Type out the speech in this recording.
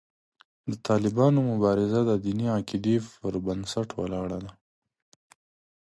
د طالبانو مبارزه د دیني عقیدې پر بنسټ ولاړه ده.